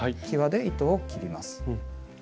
きわで糸を切ります。